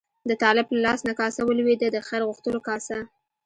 د طالب له لاس نه کاسه ولوېده، د خیر غوښتلو کاسه.